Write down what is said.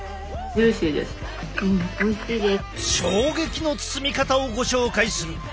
衝撃の包み方をご紹介する。